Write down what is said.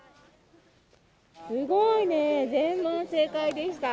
すごいねー、全問正解でした。